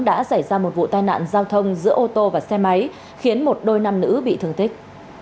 đã xảy ra một vụ tai nạn giao thông giữa ô tô và xe máy khiến một đôi nam nữ bị thương tích